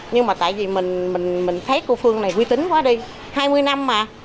nhưng mà tại vì mình thấy cô phương này quy tính quá đi hai mươi năm mà